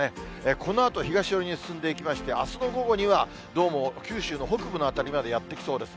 このあと東寄りに進んでいきまして、あすの午後にはどうも九州の北部の辺りまでやって来そうです。